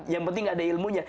yang penting ada ilmunya